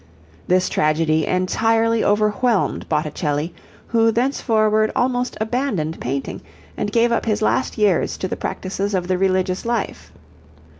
This tragedy entirely overwhelmed Botticelli, who thenceforward almost abandoned painting, and gave up his last years to the practices of the religious life.